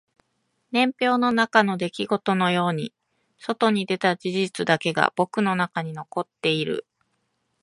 年表の中の出来事のように外に出た事実だけが僕の中に残っている